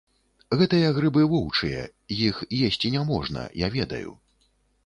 Гэтыя грыбы воўчыя, іх есці няможна, я ведаю.